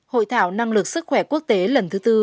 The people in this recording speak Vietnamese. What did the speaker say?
hội thảo năng lực sức khỏe quốc tế lần thứ tư